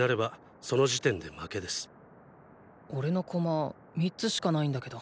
おれのコマ３つしかないんだけど。